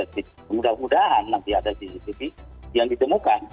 mudah mudahan nanti ada cctv yang ditemukan